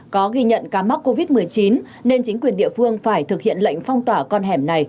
có ghi nhận ca mắc covid một mươi chín nên chính quyền địa phương phải thực hiện lệnh phong tỏa con hẻm này